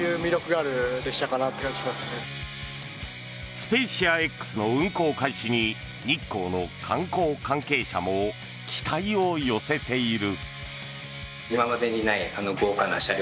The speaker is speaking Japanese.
スペーシアＸの運行開始に日光の観光関係者も期待を寄せている。